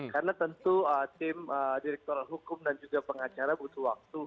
karena tentu tim direktur hukum dan juga pengacara butuh waktu